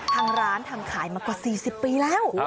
ทางร้านทำขายมากว่า๔๐ปีแล้ว